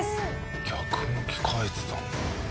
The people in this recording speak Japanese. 逆向き描いてたんだ。